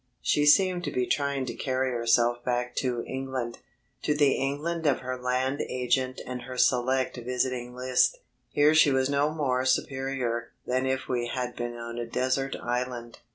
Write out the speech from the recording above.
She seemed to be trying to carry herself back to England, to the England of her land agent and her select visiting list. Here she was no more superior than if we had been on a desert island.